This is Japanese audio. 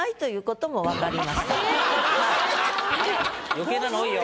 余計なの多いよ。